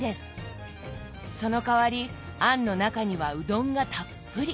その代わり餡の中にはうどんがたっぷり。